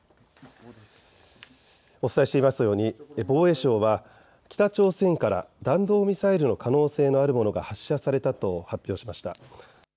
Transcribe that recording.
お伝えしていますように防衛省は北朝鮮から弾道ミサイルの可能性のあるものが発射されたと発表しました。